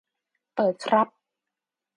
เปิดครับ